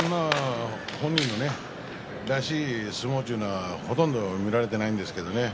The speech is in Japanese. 本人のらしい相撲というのはほとんど見られていないんですけどね。